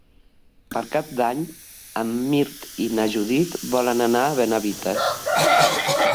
Per Cap d'Any en Mirt i na Judit volen anar a Benavites.